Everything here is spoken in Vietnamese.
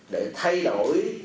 để thay đổi